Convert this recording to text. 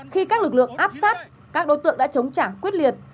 khi các lực lượng áp sát các đối tượng đã chống trả quyết liệt